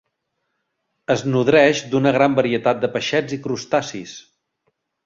Es nodreix d'una gran varietat de peixets i crustacis.